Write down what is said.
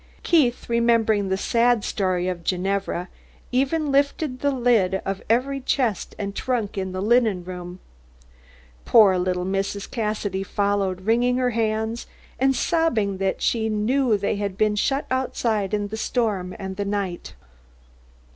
Keith, remembering the sad story of Ginevra, even lifted the lid of every chest and trunk in the linen room. Poor little Mrs. Cassidy followed, wringing her hands, and sobbing that she knew that they had been shut outside in the storm and the night.